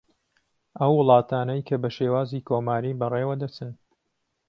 ئەو وڵاتانەی کە بە شێوازی کۆماری بە ڕێوە دەچن